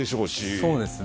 そうですね